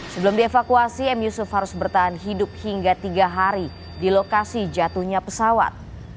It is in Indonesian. sebelum dievakuasi m yusuf harus bertahan hidup hingga tiga hari di lokasi jatuhnya pesawat